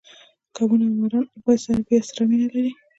کبونه او ماران بیا سړه وینه لري